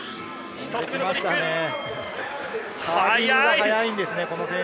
速いですね。